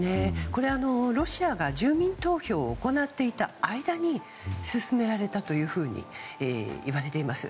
これ、ロシアが住民投票を行っていた間に進められたというふうにいわれています。